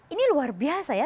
ini luar biasa ya